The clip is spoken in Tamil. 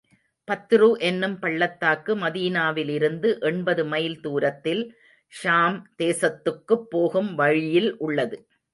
பத்ரு என்னும் பள்ளத்தாக்கு மதீனாவிலிருந்து எண்பது மைல் தூரத்தில், ஷாம் தேசத்துக்குப் போகும் வழியில் உள்ளது.